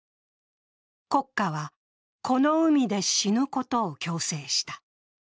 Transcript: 国家はこの海で死ぬことを強制した。